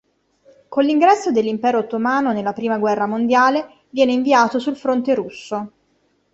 Con l'ingresso dell'Impero Ottomano nella prima guerra mondiale viene inviato sul fronte russo.